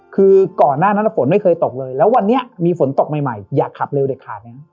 คือก่อนหน้านั้นฝนไม่เคยตกเลยแล้ววันนี้มีฝนตกใหม่อย่าขับเร็วเด็ดขาดนะครับ